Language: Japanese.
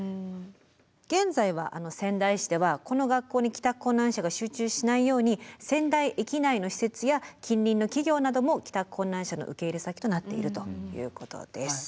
現在は仙台市ではこの学校に帰宅困難者が集中しないように仙台駅内の施設や近隣の企業なども帰宅困難者の受け入れ先となっているということです。